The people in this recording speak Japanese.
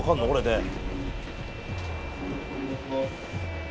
これで。